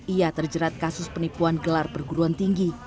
ia terjerat kasus penipuan gelar perguruan tinggi